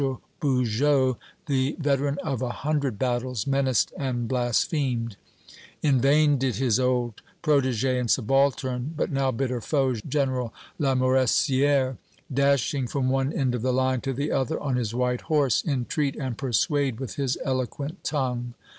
In vain was it that Marshal Bugeaud, the veteran of a hundred battles, menaced and blasphemed. In vain did his old protégé and subaltern, but now bitter foe, General Lamoricière, dashing from one end of the line to the other on his white horse, entreat and persuade with his eloquent tongue.